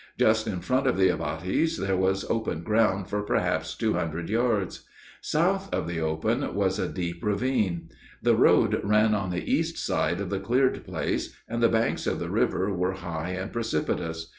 Just in front of the abatis there was open ground for perhaps two hundred yards. South of the open was a deep ravine. The road ran on the east side of the cleared place, and the banks of the river were high and precipitous.